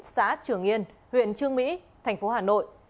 xã trường yên huyện trương mỹ thành phố hà nội